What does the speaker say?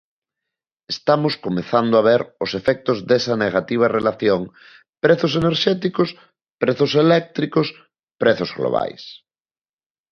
Estamos comezando a ver os efectos desa negativa relación prezos enerxéticos–prezos eléctricos– prezos globais.